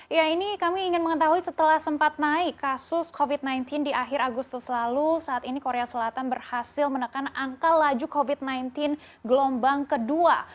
ya ini kami ingin mengetahui setelah sempat naik kasus covid sembilan belas di akhir agustus lalu saat ini korea selatan berhasil menekan angka laju covid sembilan belas gelombang kedua